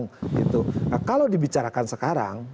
gitu kalau dibicarakan sekarang